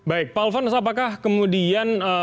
baik pak alfons apakah kemudian